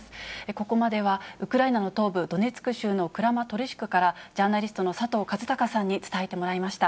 ここまではウクライナの東部ドネツク州のクラマトルシクから、ジャーナリストの佐藤和孝さんに伝えてもらいました。